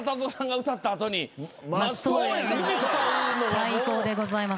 最高でございます。